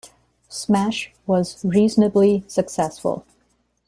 Smash was reasonably successful.